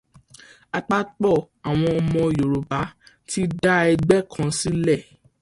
Àpapọ̀ àwọn ọmọ Yorùbá ti dá ẹgbẹ́ kan sílẹ̀.